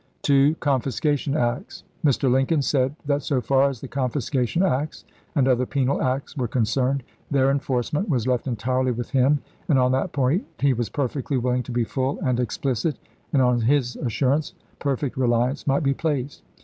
II. Confiscation Acts. —" Mr. Lincoln said that so far as the confiscation acts and other penal acts were concerned, their enforcement was left entirely with him, and on that point he was perfectly willing to be full and explicit, and on his assurance Stephens, perfect reliance might be placed.